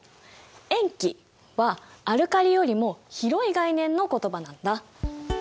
塩基はアルカリよりも広い概念の言葉なんだ。